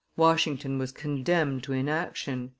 Washington was condemned to inaction.